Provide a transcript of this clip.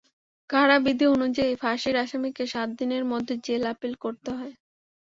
কারা বিধি অনুযায়ী ফাঁসির আসামিকে সাত দিনের মধ্যে জেল আপিল করতে হয়।